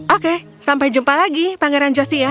oke sampai jumpa lagi pangeran josiah